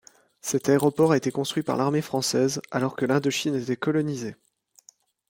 Cet aéroport a été construit par l'armée française, alors que l'Indochine était colonisée.